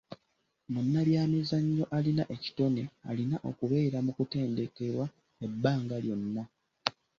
Munnabyamizannyo alina ekitone alina okubeera mu kutendekebwa ebbanga lyonna.